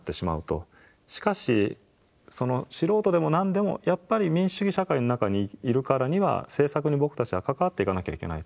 しかし素人でも何でもやっぱり民主主義社会の中にいるからには政策に僕たちは関わっていかなきゃいけないと。